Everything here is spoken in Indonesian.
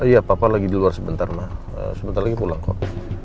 iya papa lagi di luar sebentar mah sebentar lagi pulang kok